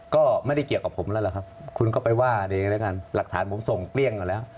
ก็ไม่ได้เกี่ยวกับผมแล้วครับคุณก็ไปว่าหลักฐานผมส่งเกลี้ยงกันแล้ว